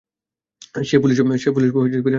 সে police হয়ে ফিরে এসেছে।